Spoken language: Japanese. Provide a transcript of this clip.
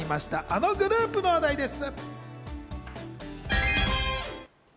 あのグループの話題です。